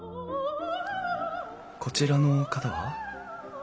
こちらの方は？